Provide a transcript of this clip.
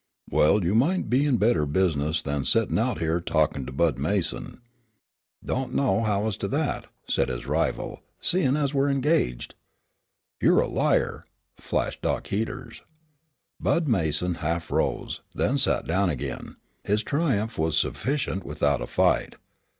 "Well, you might be in better business than settin' out here talkin' to Bud Mason." "Don't know how as to that," said his rival, "seein' as we're engaged." "You're a liar!" flashed Dock Heaters. Bud Mason half rose, then sat down again; his triumph was sufficient without a fight.